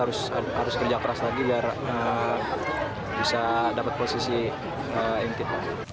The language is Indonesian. harus kerja keras lagi biar bisa dapat posisi inti